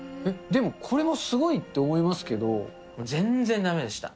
でもこれもすごいって思いますけ全然だめでした。